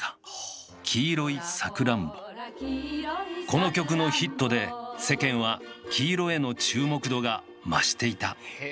この曲のヒットで世間は黄色への注目度が増していた。